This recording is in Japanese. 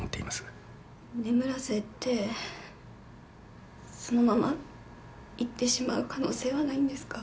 眠らせてそのまま逝ってしまう可能性はないんですか？